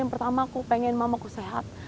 yang pertama aku pengen mamaku sehat